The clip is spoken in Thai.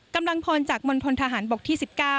กำลังพลจากมณฑนทหารบกที่๑๙